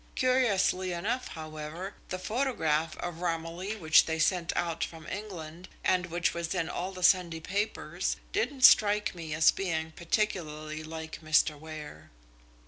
Curiously enough, however, the photograph of Romilly which they sent out from England, and which was in all the Sunday papers, didn't strike me as being particularly like Mr. Ware."